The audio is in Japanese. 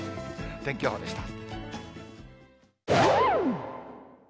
天気予報でした。